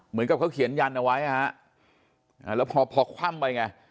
เหมือนกับเขาเขียนยันเอาไว้ฮะแล้วพอพอคว่ำไปไง